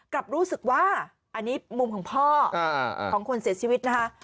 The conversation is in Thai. กลับรู้สึกว่าอันนี้มุมของพ่อของคนเสียชีวิตนะคะ